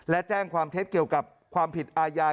และแจ้งความเท็จเกี่ยวกับความผิดอาญา